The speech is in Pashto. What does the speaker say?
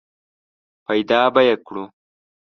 پیدا به یې کړو !